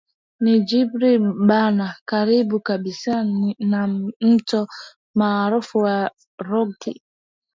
na Gberi Bana karibu kabisa na mto maarufu wa Rokel